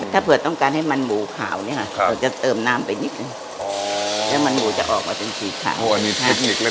ถ้าเผื่อต้องการให้มันหมูขาวเนี่ยค่ะเราจะเติมน้ำไปนิดนึง